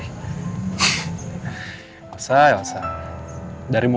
lo mau sampai ragu